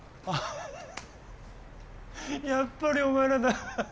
やっぱりお前らだ。